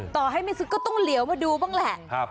ต่อให้ไม่ซื้อก็ต้องเหลียวมาดูบ้างแหละ